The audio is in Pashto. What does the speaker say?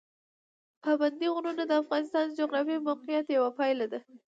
پابندي غرونه د افغانستان د جغرافیایي موقیعت یوه پایله ده.